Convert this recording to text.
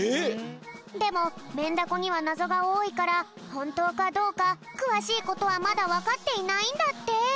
でもメンダコにはなぞがおおいからほんとうかどうかくわしいことはまだわかっていないんだって。